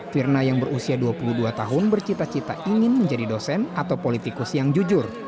firna yang berusia dua puluh dua tahun bercita cita ingin menjadi dosen atau politikus yang jujur